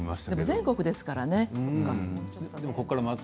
全国ですからね。